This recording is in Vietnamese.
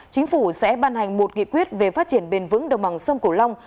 chính phủ sẽ ban hành một nghị quyết về phát triển bền vững đồng bằng sông cổ long